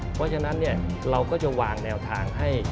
เพราะฉะนั้นเราก็จะวางแนวทางให้